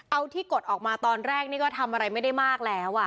เอาที่กดออกมาตอนแรกนี่ก็ทำอะไรไม่ได้มากแล้ว